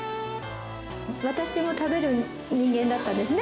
私も食べる人間だったんですね。